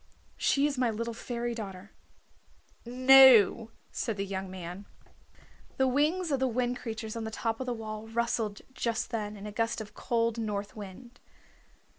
She is my little fairy daughter." "No," said the young man. The wings of the Wind Creatures on the top of the wall rustled just then in a gust of cold north wind.